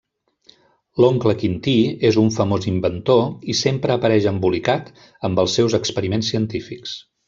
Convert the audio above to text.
L'Oncle Quintí és un famós inventor i sempre apareix embolicat amb els seus experiments científics.